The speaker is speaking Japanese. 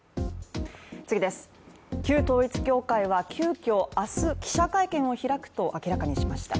旧統一教会は急きょ明日、記者会見を開くと明らかにしました。